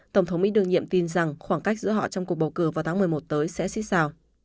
tổng thống mỹ đương nhiệm tin rằng khoảng cách giữa họ trong cuộc bầu cử vào tháng một mươi một tới sẽ xích sao